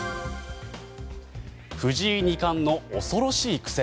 藤井二冠の恐ろしいクセ。